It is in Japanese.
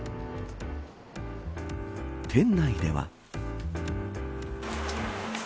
店内では。